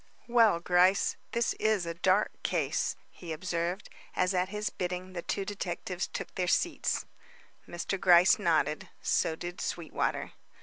"Well, Gryce, this is a dark case," he observed, as at his bidding the two detectives took their seats. Mr. Gryce nodded; so did Sweetwater.